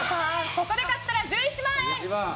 ここで勝ったら１１万円。